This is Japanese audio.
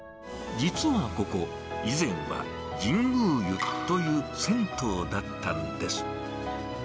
実はここ、以前は神宮湯という銭湯だったんです。